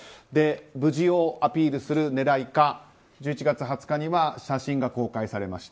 無事をアピールする狙いか１１月２０日には写真が公開されました。